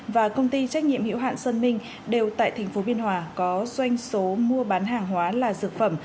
và công ty trách nhiệm hiệu hạn sơn ninh đều tại tp biên hòa có doanh số mua bán hàng hóa là dược phẩm